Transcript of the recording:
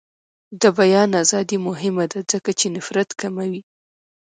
د بیان ازادي مهمه ده ځکه چې نفرت کموي.